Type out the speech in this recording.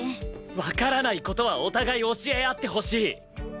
わからない事はお互い教え合ってほしい！